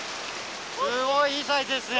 すごいいいサイズですね。